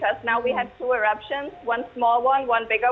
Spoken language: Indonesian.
karena sekarang kita punya dua pengebom satu kecil satu besar